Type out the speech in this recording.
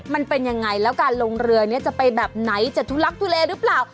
มันเป็นยังไงแล้วการลงเรือนี้จะไปแบบไหนจะทุลักทุเลหรือเปล่า